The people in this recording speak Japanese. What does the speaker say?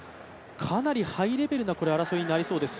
かなりハイレベルな争いになりそうです。